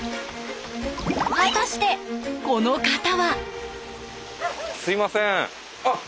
果たしてこの方は？すいません。